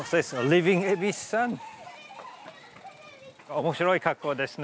面白い格好ですね。